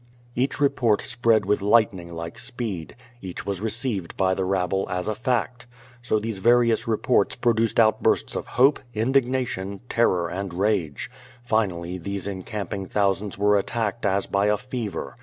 Each report spread with lightning like speed. Each was re ceived by the rabble as a fact. So these various reports pro duced outbursts of hope, indignation, terror and rage. Fi nally these encamping thousands were attacked as by a fever.